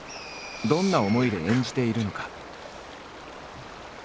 どんな思いで演じているのか？